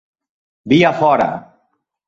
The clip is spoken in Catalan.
Via fora!!